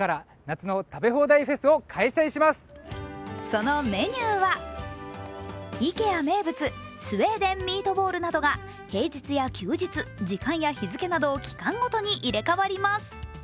そのメニューはＩＫＥＡ名物、スウェーデン・ミートボールなどが平日や休日、時間や日付など期間ごとに入れ替わります。